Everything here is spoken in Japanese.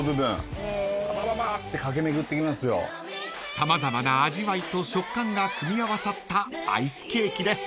［様々な味わいと食感が組み合わさったアイスケーキです］